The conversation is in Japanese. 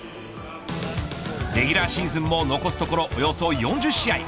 レギュラーシーズンも残すところおよそ４０試合。